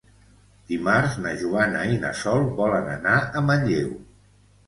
Dimarts na Joana i na Sol volen anar a Manlleu.